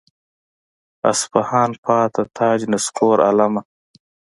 اصفهان پاتې تاج نسکور عالمه.